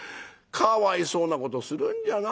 かわいそうなことするんじゃないよ。